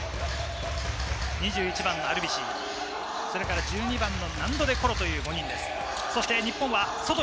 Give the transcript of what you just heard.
２１番のアルビシ、それから１２番のナンド・デ・コロというメンバーです。